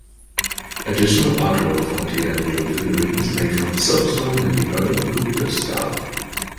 Additional artwork found here include figurines made from soapstone in the early Gupta style.